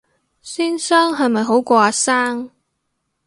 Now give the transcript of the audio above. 先生係咪好過阿生